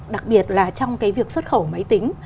đặc biệt là trong cái việc xuất khẩu máy tính